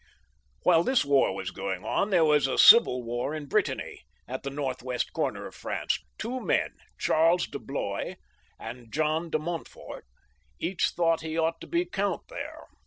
While this war was going on there was a civil war in Brittany, at the north west corner of France. Two men, Charles de Blois and John de Montfort, each thought they ought to be count there.